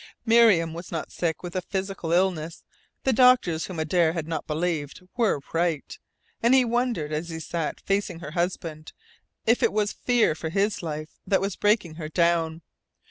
Miriam was not sick with a physical illness. The doctors whom Adare had not believed were right. And he wondered, as he sat facing her husband, if it was fear for his life that was breaking her down.